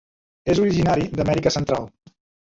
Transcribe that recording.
És originari d'Amèrica Central.